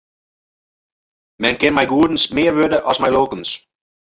Men kin mei goedens mear wurde as mei lulkens.